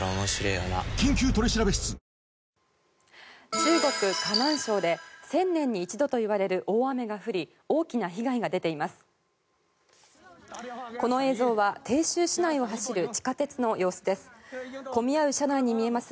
中国・河南省で１０００年に一度といわれる大雨が降り大きな被害が出ています。